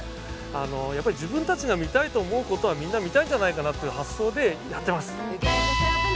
やっぱり自分たちが見たいと思うことはみんな見たいんじゃないかなっていう発想でやってます。